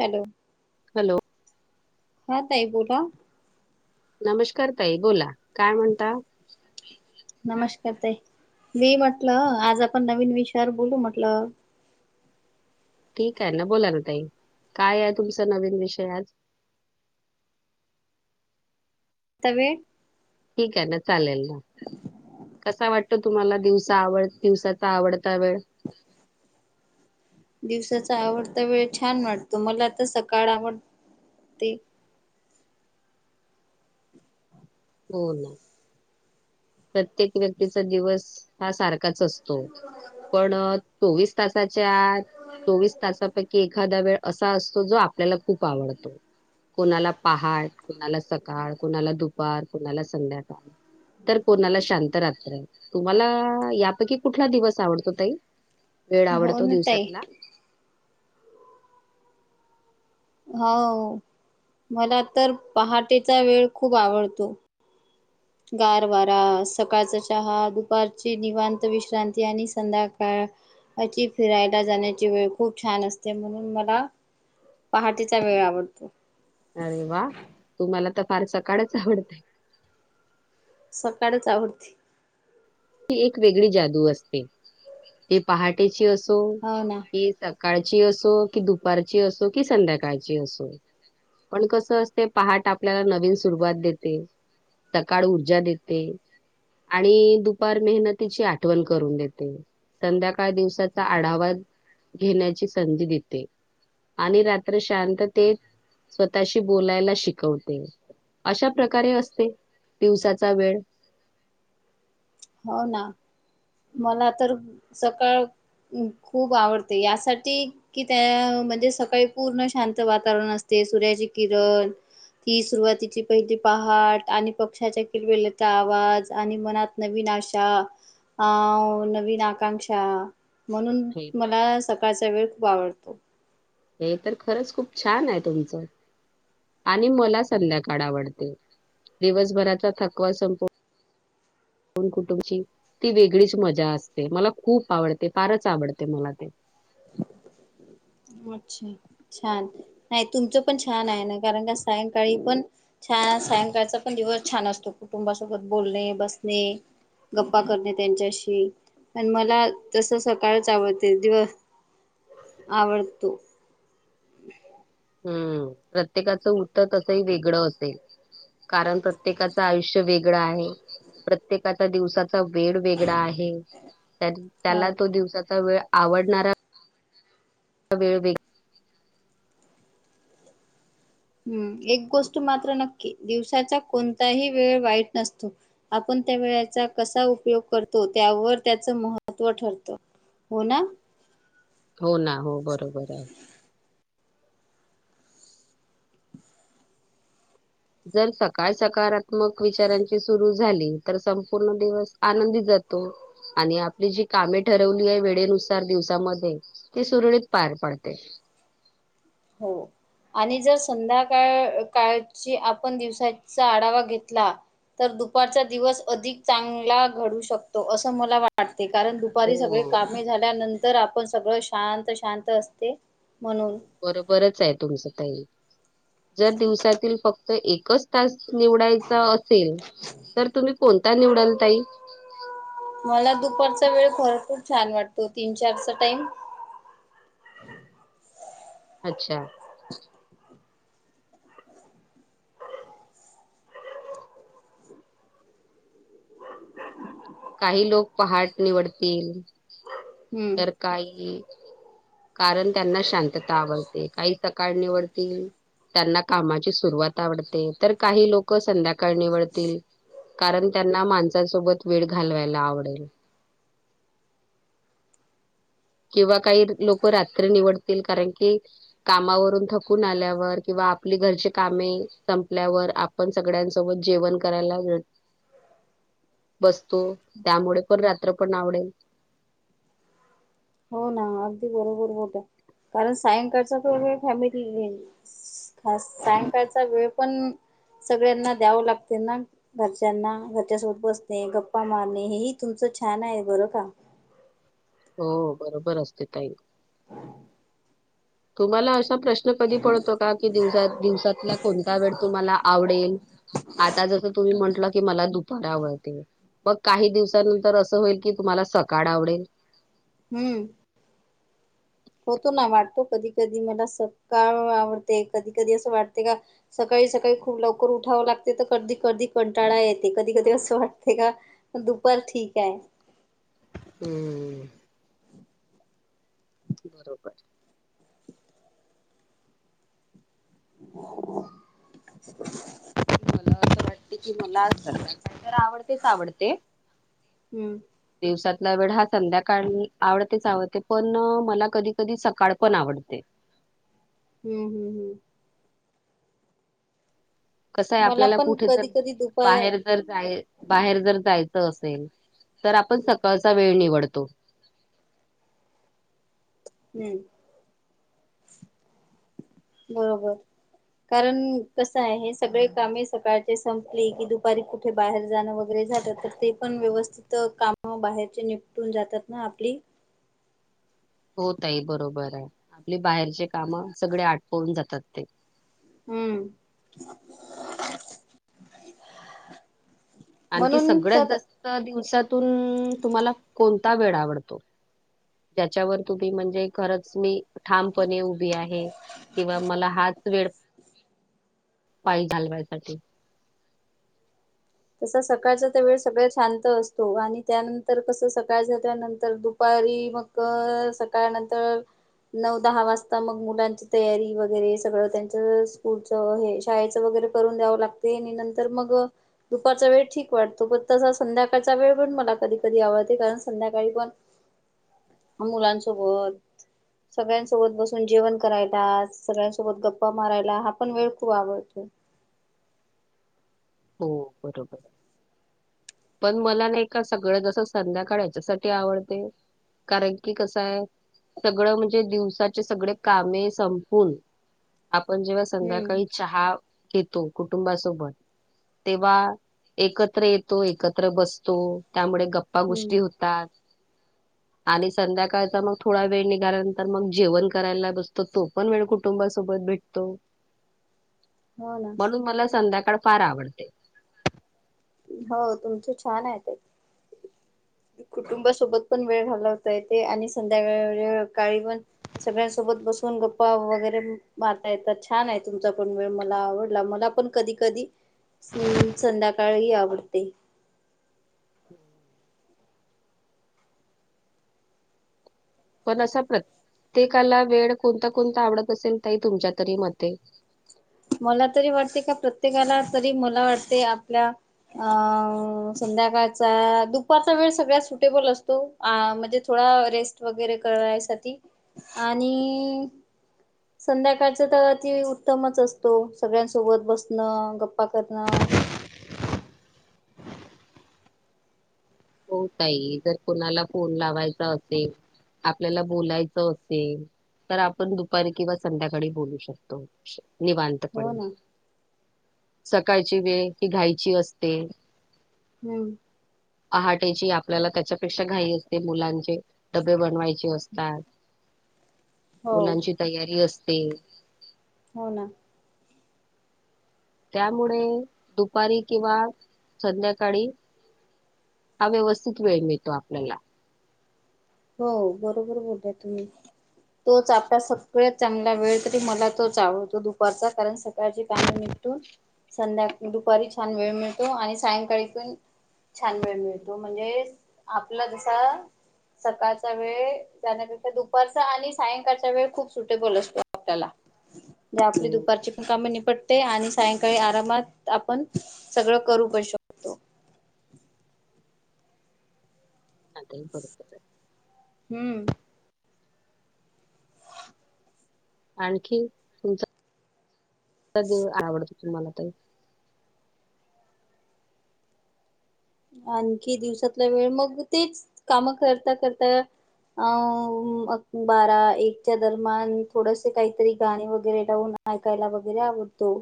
Hello! Hello! हां ताई बोला. नमशकार ताई बोला, काय म्हणता? नमशकार ताई, मी म्हटलं, आज आपण नवीन विषयावर बोलू म्हटलं. ठीक आहे ना, बोला ना ताई, काय ये तुमचा नवीन विषय आज. तब्ये ठीके आहे ना चालेल मग. कसा वाटतो तुम्हाला दिवसा आवड दिवसाचा आवडता वेळ? [inaudible] दिवसाचा आवडता वेळ छान वाटतो. मला तर सकाळ आवडते. हो. प्रत्येक व्यक्तीचा दिवस हा सारखाच असतो, पण चोवीस तासाच्या आत चोवीस तासांपैकी एक एखादा वेळ असा असतो जो आपल्याला खूप आवडतो. कोणाला पहाट, कुणाला सकाळ, कुणाला दुपार, कुणाला संध्याकाळ. तर कुणाला शांत रात्र. तुम्हाला यापैकी कुठला दिवस आवडतो ताई? वेड हो आवडतो ना ताई दिवसातला? हो मला तर पहाटेचा वेळ खूप आवडतो. गार वारा, सकाळचा चहा, दुपारची निवांत विश्रांती आणि संध्याकाळ ची फिरायला जाण्याची वेळ खूप छान असते म्हणून मला पहाटेचा वेळ आवडतो. अरे वा तुम्हाला तर फार सकाळच आवडते. सकाळचं आवडते. ती एक वेगळीच जादू असते. ती पहाटेची असो हो ना ती सकाळची असो, की दुपारची असो, की संध्याकाळची असो. पण कसं असते पहाट आपल्याला नवीन सुरुवात देते. सकाळ ऊर्जा देते आणि दुप पार मेहनतीची आठवण करून देते, संध्याकाळ दिवसाचा आढावा घेण्याची संधी देते आणि रात्री शांततेत स्वतःशी बोलायला शिकवते. अशा प्रकारे असते दिवसाचा वेळ. हो ना. मला तर सकाळ खूप आवडते यासाठी की ते म्हणजे सकाळी पूर्ण शांत वातावरण असते, सूर्याची किरण ती सुरुवातीची पाहिली पहाट आणि पक्षांचा किलबिलाटचा आवाज आणि मनात नवीन आशा आ नवीन आकांशा म्हणून हे मला सकाळचा वेळ खूप आवडतो. हे तर खरंच खूप छान आहे तुमचं आणि मला संध्याकाड आवडते. दिवसभराचा थकवा संपतो. दोन कुटुंबची ती वेगळीच मजा असते. मला खूप आवडते, फारच आवडते मला ते. अच्छा छान. नाही तुमचं पण छान आहे ना, कारण का सायंकाळी पण छान सायंकाळचा पण दिवस छान असतो कुटुंबासोबत बोलणे, बसणे. गप्पा करणे त्यांच्याशी. पण मला तसं सकाळचं आवडते दिवस आवडतो. हम्म. प्रत्येकाचं उत्तर तसंही वेगळं असेल. कारण प्रत्येकाचं आयुष्य वेगळं आहे. प्रत्य काचा दिवसाचा वेळ वेगळा आहे. तर हो त्याला तो दिवसाचा वेळ आवडणारा वेळ वेग हम्म. एक गोष्ट मात्र नक्की दिवसाचा कोणताही वेळ वाईट नसतो. आपण त्यावेळेचा कसा उपयोग करतो त्यावर त्याचं महत्त्व ठरतं. हो ना? हो ना हो बरोबर आहे. जर सकाळ सकारात्मक विचारांची सुरू झाली, तर संपूर्ण दिवस आनंदी जातो. आणि आपली जी कामे ठरवली आहे वेळेनुसार दिवसामध्ये ती सुरळीत पार पाडते. हो. आणि जर संध्याकाळ काळची, आपण दिवसाचा आढावा घेतला. तर दुपारचा दिवस अधिक चांगला घडू शकतो, असं मला वाट वाटते कारण दुपारी सगळे हो. कामं. कामे झाल्यानंतर, आपण सगळं शांत शांत असते म्हणून. बरोबरच आहे तुमच ताई, जर दिवसातील फक्तं एकच. तास निवडायचा असेल, तर तुम्ही कोणता निवडाल ताई. मला दुपारचा वेळ भरपूर छान वाटतो, तीन चारचा टाइम. अच्छा. [inaudible] काही लोकं पहाट निवडतील. हम्म. काय हे. कारण त्यांना शांतता आवडते, काही सकाळ निवडतील. त्यांना कामाची सुरुवात आवडते, तर काही लोकं संध्याकाळ निवडतील. कारण त्यांना माणसासोबत वेळ घालवायला आवडेल. किंवा काही लोकं रात्री निवडतील. कारण की, कामावरून थकून आल्यावर किंवा, आपली घरची कामे संपल्यावर आप पण सगळ्यांसोबत जेवण करायला वेळ. [inaudible] बसतो त्यामुळे पण रात्र पण आवडेल. हो ना अगदी बरोबर बोला कारण, सायंकाळचा तो वेळ फॅमिली घेईल. खास सायंकाळचा वेळ पण, सगळ्यांना द्यावं लागते ना. घरच्यांना घरच्यासोबत बसणे, गप्पा मारणे हेही तुमचं छान आहे बरं का. हो बरोबर असते ताई. तुम्हाला असा प्रश्न कधी पडतो का, की दिवसा दिवसातला कोणता वेळ तुम्हाला आवडेल. आता जसं तुम्ही म्हटलं की, मला दुपार आवडते. मग काही दिवसानंतर असं होईल, की तुम्हांला सकाळ आवडेल. हम्म, होतो ना वाटतो. कधी कधी मला सकाळ आवडते. कधी कधी असं वाटते का, सकाळी सकाळी खूप लवकर उठावं लागते, तर कधी कधी कंटाळा येते कधी कधी असं वाटते का. पण दुपार ठीक हाय. हम्म.. बरोबर. [inaudible] मला असं वाटते की, मला [unintelligible] आवडतेच आवडते. हम्म दिवसातला वेळ हा संध्याकाळ आवडतेच आवडते, पण मला कधी कधी सकाळ पण आवडते. हम हम हम. कसंय मला आपल्याला पण कुठे जर कधी कधी दुपार बाहेर जर जाय बाहेर जर जायचं असेल तर, आपण सकाळचा वेळ निवडतो. हम्म. बरोबर कारण कसा आहे, सगळे कामे सकाळची संपली की दुपारी. कुठे बाहेर जाणं वगैरे जातात तर, ते पण काम बाहेरचे निपटून जातात ना आपली. हो ताई बरोबर ये, आपले बाहेरची काम सगळी आटपून जातात ते. हम्म. आणखी म्हणून सगळ्यात तर जास्त दिवसातून तुम्हाला कोणता वेळ आवडतो? त्याच्यावर तुम्ही म्हणजे, खरंच मी ठामपणे उभी आहे. किंवा मला हाच वेळ, पाय घालवाय साठी. कसं सकाळचा तर वेळ सगळ्यात शांत असतो, आणि त्यानंतर कसं सकाळ झाल्या नंतर दुपारी मग अ सकाळ नंतर नऊ दहा वाजता मग मुलांची तयारी वगैरे सगळं, त्यांच स्कूल अ हे शाळेचं वगैरे करून द्यावं लागतंय, आणि नंतर मग दुपारचा वेळ ठीक वाटतो, पण तसा संध्याकाळचा वेळ पण मला कधी कधी आवडतो कारण संध्याकाळी पण मुलांसोबत सगळ्यांसोबत बसून जेवण करायला, सगळ्यांसोबत गप्पा मारायला, हा पण वेळ खूप आवडतो. हो बरोबर. पण मला नाही का सगळ्यात जास्त संध्याकाळ याच्यासाठी आवडते, कारण की कसंय,, सगळं म्हणजे दिवसाचे सगळे कामे संपून, आपण जेव्हा हम्म संध्याकाळी चहा घेतो, कुटुंबासोबत तेव्हा एकत्र येतो, एकत्र बसतो, त्यामुळे गप्पा हम्म. गोष्टी होतात, [inaudible] आणि संध्याकाळचा मग थोडा वेळ निघाल्यानंतर मग जेवण करायला बसतो तो. पण वेळ कुटुंबासोबत भेटतो, हो ना. म्हणून मला संध्याकाळ फार आवडते. हो, तुमचं छान आहे ताई. कुटुंबासोबत पण वेळ घालवता येते आणि संध्याकाळी पण सगळ्यांसोबत बसून गप्पा वगैरे मारता येतात, छान आहे तुमचा पण वेळ, मला आवडला, मला पण कधी कधी, संध्याकाळही आवडते. पण असा प्रत्येकाला वेळ कोणता कोणता आवडत असेल ताई तुमच्या तरी मते? मला तरी वाटते का, प्रत्येकाला तरी मला वाटते आपल्या अ संध्याकाळचा, दुपारचा वेळ सगळ्यात सुटेबल असतो. अ म्हणजे थोडा रेस्ट वगैरे करायसाठी, आणि संध्याकाळच तर अति उत्तमच असतो, सगळ्यांसोबत बसणं, गप्पा करणं, हो ताई, जर कोणाला फोन लावायचा असेल, आपल्याला बोलायचं असेल, तर आपण दुपारी किंवा संध्याकाळी बोलू शकतो. हो निवांतपणे, ना सकाळची वेळ हि घाईची असते. हम्म. पहाटेची आपल्याला त्याच्यापेक्षा घाई असते, मुलांचे डबे बनवायचे असतात. [inaudible] मुलांची तयारी असते. हो ना. त्यामुळे दुपारी किंवा, संध्याकाळी हा व्यवस्थित वेळ मिळतो आपल्याला. हो, बरोबर बोलताय तुम्ही. तोच आपला सगळ्यात चांगला वेळ, तरी मला तोच आवडतो दुपारचा, कारण सकाळची कामे निप तो, संध्याका दुपारी छान वेळ मिळतो, आणि सायंकाळी पण छान वेळ मिळतो, म्हणजे आपला जसा सकाळचा वेळ, त्यानंतर दुपारचा आणि सायंकाळचा वेळ खूप सुटेबल असतो आपल्याला. [inaudible] मी आपली हम्म दुपारची पण कामे निपटते आणि सायंकाळी आरामात आपण सगळं करू शकतो. तो आताही परत जाईल. हम्म आणखीन तुमचा दिव आवडतो तुम्हाला तो. आणखी दिवसातला वेळ मग तेच कामं करता करता. अ बारा एकच्या दरम्यान थोडसे काहीतरी गाणे वगैरे लावनार. ऐकायला वगैरे आवडतो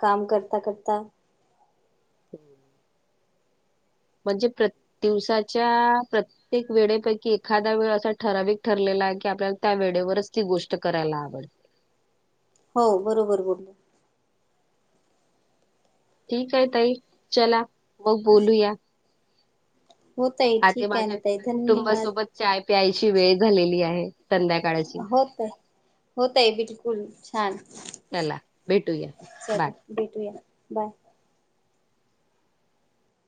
काम करता करता. म्हणजे प्रत दिवसाच्या प्र प्रत्येक वेळेपैकी एखादा वेळे असा ठराविक ठरलेला आहे की, आपल्याला त्या वेळेवरच ती गोष्ट करायला आवडते. हो बरोबर बोला. ठीक आहे ताई चला मग बोलूया. हो ताई आता ठीक आहे ना माझ्ये ताई धन्यवाद कुटुंबासोबत चाय पायची वेळ झालेली आहे. संध्याकाळची होतं. हो ताई बोलू छान चला भेटूया. बाय. चल भेटूया बाय‌.